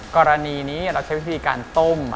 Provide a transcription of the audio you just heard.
กรณีนี้เราใช้วิธีการต้ม